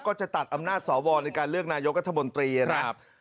ก็จะตัดอำนาจสวในการเลือกนายกัธมนตรีนะครับ